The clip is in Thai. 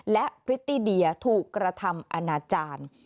และพริตตี้เดียถูกกระทำอนาจารย์